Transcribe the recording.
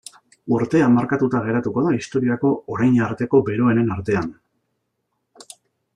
Urtea markatuta geratuko da historiako orain arteko beroenen artean.